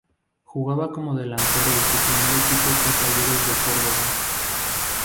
Jugaba como delantero y su primer equipo fue Talleres de Córdoba.